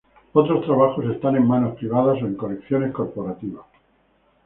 Otros trabajos están en manos privadas o en colecciones corporativas.